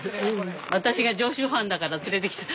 私が常習犯だから連れてきた。